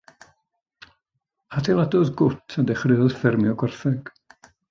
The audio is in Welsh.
Adeiladodd gwt a dechreuodd ffermio gwartheg.